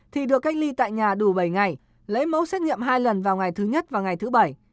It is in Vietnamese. thì được cách ly tại nhà đủ bảy ngày lấy mẫu xét nghiệm hai lần vào ngày thứ nhất và ngày thứ bảy